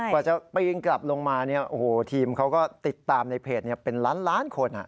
กว่าจะกลับลงมาทีมเขาก็ติดตามในเพจเป็นล้านคน